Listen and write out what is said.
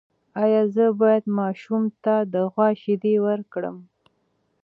ایا زه باید ماشوم ته د غوا شیدې ورکړم؟